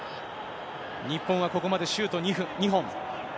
日本はここまでシュート２本。